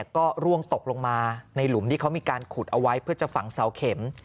ก็ร่วงตกลงมาในหลุมที่เขามีการขุดเอาไว้เพื่อจะฝังเสาเข็ม